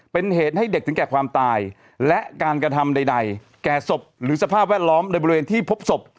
เป็นเหตุให้เด็กถึงแก่ความตายและการกระทำใดแก่ศพหรือสภาพแวดล้อมในบริเวณที่พบศพ